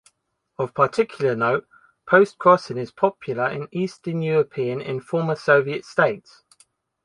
Of particular note, postcrossing is popular in eastern European and former-Soviet states.